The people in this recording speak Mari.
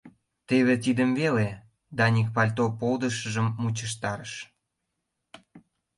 — Теве тидым веле, — Даник пальто полдышыжым мучыштарыш.